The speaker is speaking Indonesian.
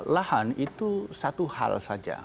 lahan itu satu hal saja